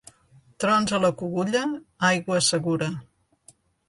Trons a la Cogulla, aigua segura.